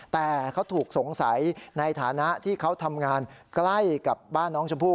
แต่เขาถูกสงสัยในฐานะที่เขาทำงานใกล้กับบ้านน้องชมพู่